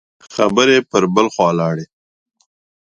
خبرې پر بل خوا لاړې.